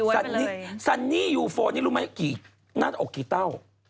ย้วยไปเลยซันนี่ซันนี่ยูฟอร์นี่รู้ไหมหน้าอกกี่เต้า